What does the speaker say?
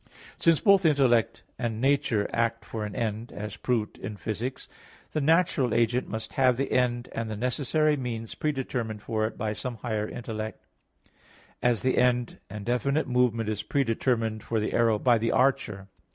Since both intellect and nature act for an end, as proved in Phys. ii, 49, the natural agent must have the end and the necessary means predetermined for it by some higher intellect; as the end and definite movement is predetermined for the arrow by the archer.